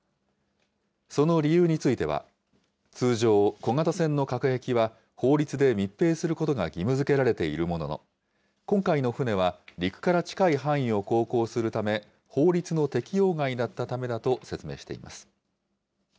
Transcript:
その理由については、通常、小型船の隔壁は法律で密閉することが義務づけられているものの、今回の船は、陸から近い範囲を航行するため、法律の適用外だったためだと説明しています。